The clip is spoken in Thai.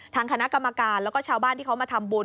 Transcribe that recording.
ทางคณะกรรมการแล้วก็ชาวบ้านที่เขามาทำบุญ